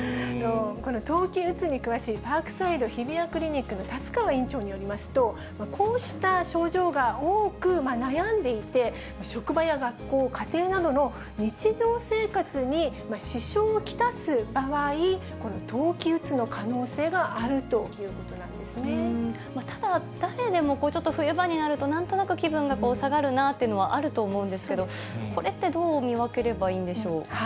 この冬季うつに詳しいパークサイド日比谷クリニックの立川院長によりますと、こうした症状が多く悩んでいて、職場や学校、家庭などの日常生活に支障を来す場合、冬季うつの可能性があるとただ、誰でもちょっと冬場になると、なんとなく気分が下がるなというのはあると思うんですけど、これってどう見分ければいいんでしょう。